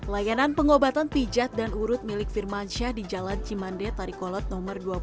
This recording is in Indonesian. layanan pengobatan pijat dan urut milik firmansyah di jalan cimande tarikolot nomor dua puluh